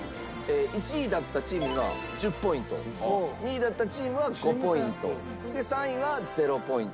１位だったチームには１０ポイント２位だったチームは５ポイントで３位は０ポイントと。